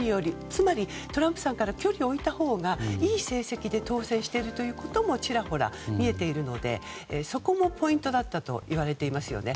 つまり、トランプさんから距離を置いたほうがいい成績で当選していることもちらほら見えているのでそこもポイントだったといわれていますよね。